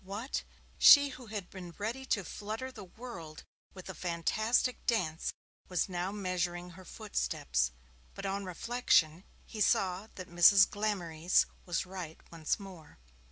What! She who had been ready to flutter the world with a fantastic dance was now measuring her footsteps. But on reflection he saw that Mrs. Glamorys was right once more.